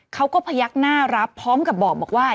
พยักหน้ารับพร้อมกับบอกว่า